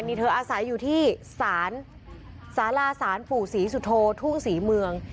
นี่เธออาศัยอยู่ที่ศาลศาลาศาลปู่ศรีสุโธทุ่งศรีเมือง